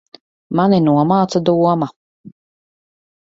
Mani nomāca doma.